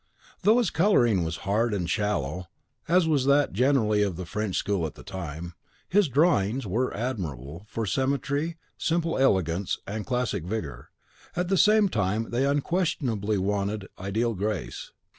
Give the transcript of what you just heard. Though his colouring was hard and shallow, as was that generally of the French school at the time, his DRAWINGS were admirable for symmetry, simple elegance, and classic vigour; at the same time they unquestionably wanted ideal grace.